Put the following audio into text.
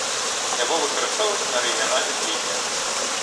Яго выкарыстоўваюць на рэгіянальных лініях.